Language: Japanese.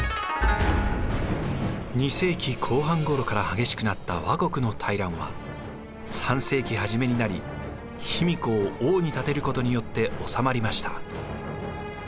２世紀後半ごろから激しくなった倭国の大乱は３世紀初めになり卑弥呼を王に立てることによって収まりました。